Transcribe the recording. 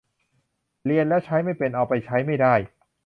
เรียนแล้วใช้ไม่เป็น เอาไปใช้ไม่ได้